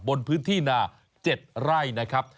บนพื้นที่นา๗ไร่นะครับ